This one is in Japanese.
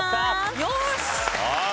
よし！